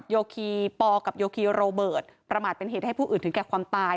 โยคีปอกับโยคีโรเบิร์ตประมาทเป็นเหตุให้ผู้อื่นถึงแก่ความตาย